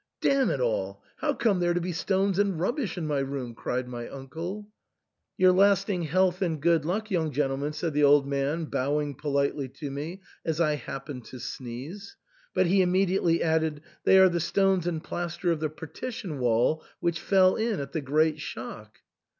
" Damn it all, how come there to be stones and rubbish in my room ?'* cried my uncle. " Your lasting health and good luck, young gentleman !" said the old man, bowing politely to me, as I happened to sneeze ;* but he immediately added, " They are the stones and plaster of the partition wall which fell in at the great shock."